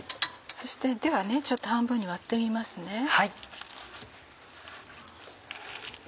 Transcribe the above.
そしてではちょっと半分に割ってみますね。